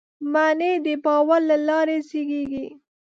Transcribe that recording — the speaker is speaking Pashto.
معنی د باور له لارې زېږي.